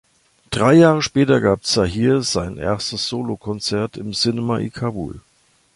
Drei Jahre später gab Zahir sein erstes Solo-Konzert im "Cinima-i-Kabul".